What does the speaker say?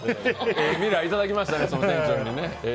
ええ未来いただきましたね。